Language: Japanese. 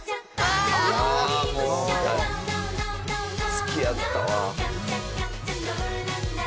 「好きやったわ」